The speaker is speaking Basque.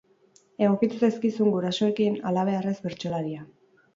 Egokitu zaizkizun gurasoekin, halabeharrez bertsolaria.